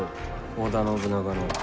織田信長の。